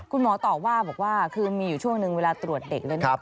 คุณหมอต่อว่าบอกว่ามีช่วงนึงเวลาตรวจเด็ก